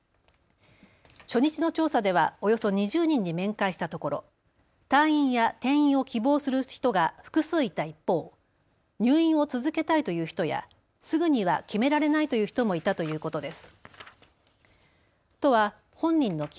初日の調査ではおよそ２０人に面会したところ退院や転院を希望する人が複数いた一方、入院を続けたいという人やすぐには決められないという人もいたということです。